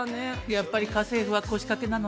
やっぱり家政夫は腰かけなのね。